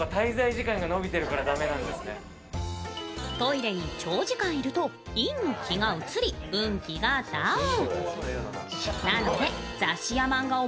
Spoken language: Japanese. トイレに長時間居ると、陰の気が移り、運気がダウン。